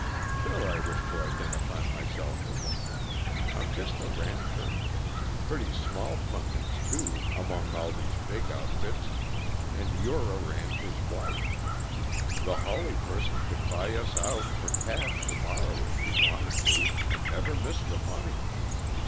Sure, I wish to identify myself with them. I'm just a rancher pretty small punkins, too, among all these big outfits, and you're a rancher's wife. The Hawley person could buy us out for cash to morrow, if she wanted to, and never miss the money.